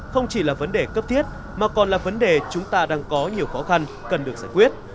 không chỉ là vấn đề cấp thiết mà còn là vấn đề chúng ta đang có nhiều khó khăn cần được giải quyết